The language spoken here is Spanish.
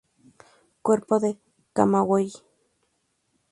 Cuerpo de Camagüey.